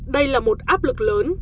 đây là một áp lực lớn